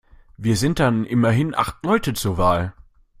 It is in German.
Wir sind dann immerhin acht Leute zur Wahl.